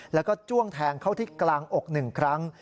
แล้วก็จ้วงแทงเข้าที่กลางอก๑ครั้ง